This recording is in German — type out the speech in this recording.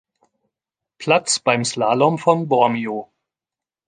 Platz beim Slalom von Bormio.